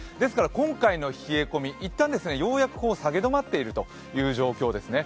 今回の冷え込み、いったんようやく下げ止まっているという状況ですね。